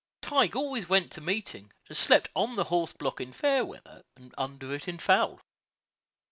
Tige always went to meeting, and slept on the horse block in fair weather, and under it in foul.